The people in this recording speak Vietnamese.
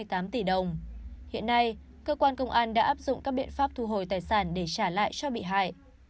hai trăm ba mươi tám tỷ đồng hiện nay cơ quan công an đã áp dụng các biện pháp thu hồi tài sản để trả lại cho bị hại